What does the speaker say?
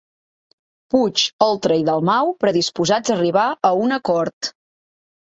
Puig, Oltra i Dalmau predisposats a arribar a un acord